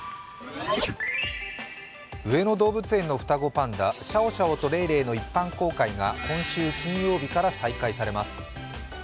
上野動物園の双子パンダ、シャオシャオとレイレイの一般公開が今週金曜日から再開されます。